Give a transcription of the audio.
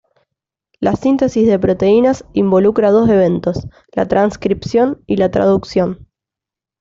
La síntesis de proteínas involucra dos eventos: la transcripción y la traducción.